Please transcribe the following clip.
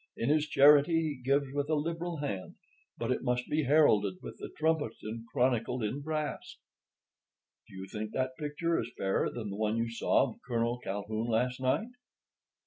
In his charity, he gives with a liberal hand; but it must be heralded with the trumpet and chronicled in brass.' "Do you think that picture is fairer than the one you saw of Colonel Calhoun last night?"